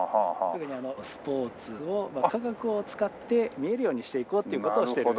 特にスポーツを科学を使って見えるようにしていこうという事をしている。